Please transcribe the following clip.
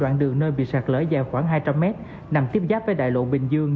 đoạn đường nơi bị sạt lở dài khoảng hai trăm linh mét nằm tiếp giáp với đại lộ bình dương